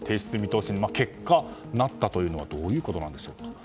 これに結果、なったというのはどういうことなんでしょうか？